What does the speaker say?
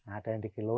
ada yang dikilau